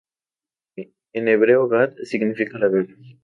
En hebreo, "gat" significa lagar.